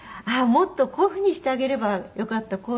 もっとこういう風にしてあげればよかった